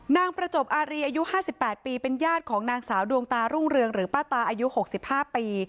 นางประจบอารีอายุ๕๘ปีเป็นญาติของนางสาวดวงตารุ่งเรืองหรือป้าตาอายุ๖๕ปี